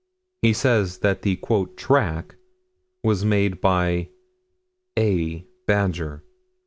He says that the "track" was made by "a" badger.